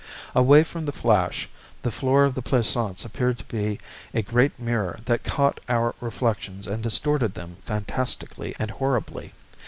Away from the flash the floor of the plaisance appeared to be a great mirror that caught our reflections and distorted them fantastically and horribly.